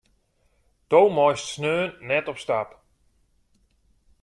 Do meist sneon net op stap.